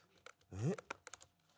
えっ？